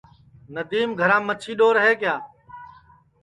ندیم گھرام مچھی ڈؔور دھاگا ہے کیا